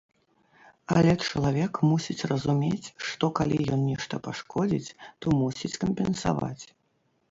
Але чалавек мусіць разумець, што калі ён нешта пашкодзіць, то мусіць кампенсаваць.